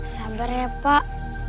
sabar ya pak